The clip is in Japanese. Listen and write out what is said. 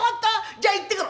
じゃあ行ってくる！」。